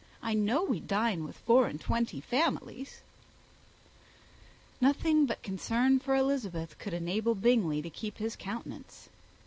I know we dine with four and twenty families." Nothing but concern for Elizabeth could enable Bingley to keep his countenance.